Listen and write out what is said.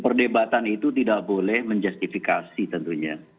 perdebatan itu tidak boleh menjustifikasi tentunya